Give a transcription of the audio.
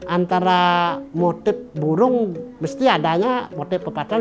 antara motif burung mesti adanya motif pepatahan